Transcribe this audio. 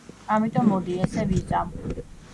ამიტომ, მოდი, ესე ვიზამ.